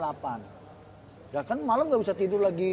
ya kan malam gak bisa tidur lagi